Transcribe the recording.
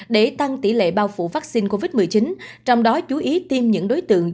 để tăng tỷ lệ bao phủ vaccine covid một mươi chín trong đó chú ý tiêm những đối tượng